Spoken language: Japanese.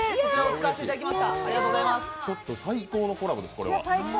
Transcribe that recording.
最高のコラボです、これは。